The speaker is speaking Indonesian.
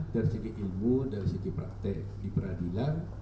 dari segi ilmu dari segi praktek di peradilan